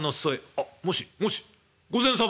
「あっもしもし御前様！」。